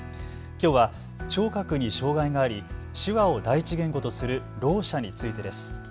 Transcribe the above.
きょうは聴覚に障害があり手話を第一言語とするろう者についてです。